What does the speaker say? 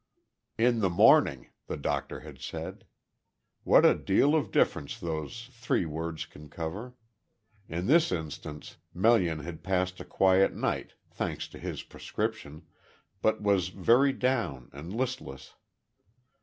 "In the morning," the doctor had said. What a deal of difference those three words can cover. In this instance Melian had passed a quiet night, thanks to his prescription, but was very down and listless.